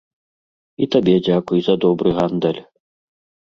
І табе дзякуй за добры гандаль.